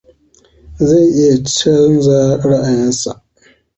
Zai iya canza ra'ayinsa.